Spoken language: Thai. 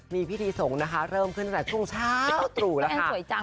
มีพิธีสงฆ์นะคะเริ่มขึ้นตั้งแต่ช่วงเช้าตรู่แล้ว